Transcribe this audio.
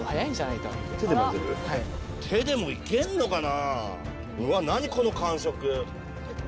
はい手でもいけるのかな